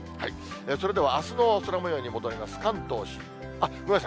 それではあすの空もように戻ります。